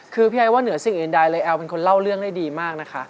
คือพี่ไออย่างว่าเหนือสิ่งอื่นได้เลยแอ๋วเป็นคนเล่าเรื่องได้ดีมาก